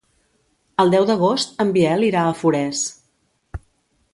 El deu d'agost en Biel irà a Forès.